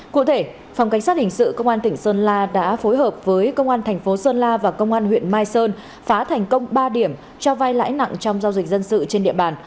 cụ thể phòng cảnh sát hình sự công an tỉnh sơn la đã phối hợp với công an thành phố sơn la và công an huyện mai sơn phá thành công ba điểm cho vai lãi nặng trong giao dịch dân sự trên địa bàn